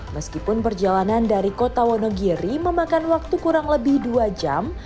meskipun perjalanan dari kota wonogiri memakan waktu kurang lebih dua jam